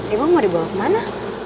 emang mau dibawa kemana